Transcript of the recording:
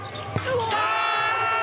きた！